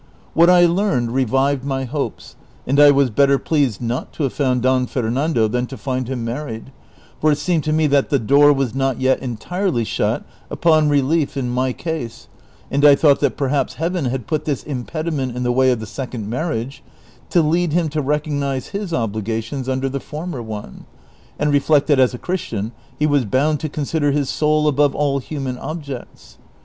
What I learned revived my Iiopes, and I was better pleased not to have found Don Fernando than to find him man'ied, for it seemed to me that the door was not yet entirely shut upon relief in my case, and I thought that perhaps Heaven had put this impediment in the way of the second marriage, to lead him to recognize his obligations under the former one, and reflect that as a Christian he was bound to consider his soul above all human objects.